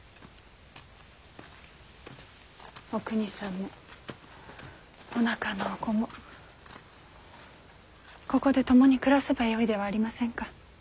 おくにさんもおなかのお子もここで共に暮らせばよいではありませんか。